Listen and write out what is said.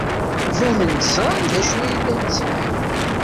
Banen-d ẓran d acu ay llan ttgen.